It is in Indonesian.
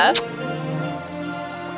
kutri duyung berhati hati